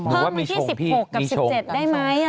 เพิ่มที่๑๖กับ๑๗ได้ไหมอะไรอย่างนั้นนะหรือว่ามีชงพี่มีชง